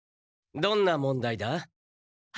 どんな問題だ？